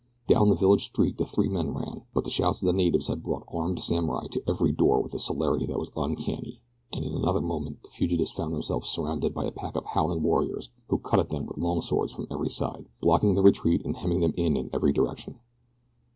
Down the village street the three men ran, but the shouts of the natives had brought armed samurai to every door with a celerity that was uncanny, and in another moment the fugitives found themselves surrounded by a pack of howling warriors who cut at them with long swords from every side, blocking their retreat and hemming them in in every direction.